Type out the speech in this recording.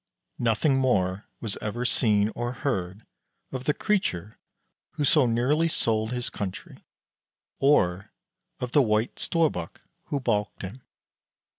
Nothing more was ever seen or heard of the creature who so nearly sold his country, or of the White Storbuk who balked him.